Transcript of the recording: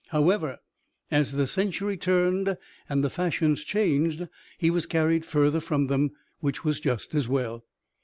However, as the century turned and the fashions changed, he was carried further from them, which was just as well.